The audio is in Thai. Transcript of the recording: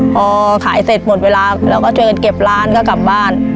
พอขายเสร็จหมดเวลาเราก็ช่วยกันเก็บร้านก็กลับบ้าน